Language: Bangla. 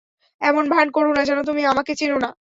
এমন ভান করো না যেন তুমি আমাকে চেনো না।